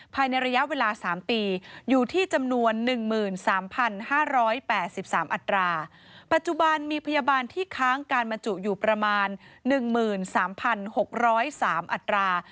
ปัจจุบันมีพยาบาลที่ค้างการบรรจุอยู่ประมาณ๑๓๖๐๓อัตรา